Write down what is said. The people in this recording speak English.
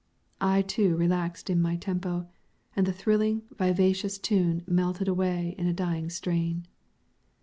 I too relaxed in my tempo, and the thrilling, vivacious tune melted away in a dying strain.